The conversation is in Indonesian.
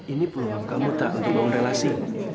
ini peluang kamu tak untuk membangun relasi